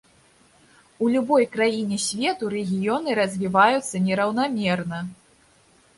У любой краіне свету рэгіёны развіваюцца нераўнамерна.